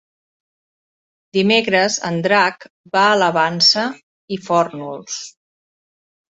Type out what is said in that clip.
Dimecres en Drac va a la Vansa i Fórnols.